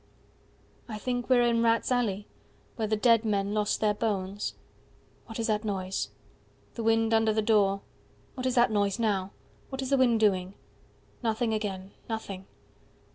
I think we are in rats' alley 115 Where the dead men lost their bones. "What is that noise?" The wind under the door. "What is that noise now? What is the wind doing?" Nothing again nothing.